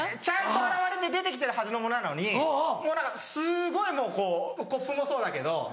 ちゃんと洗われて出て来てるはずのものなのにもう何かすごいもうこうコップもそうだけど。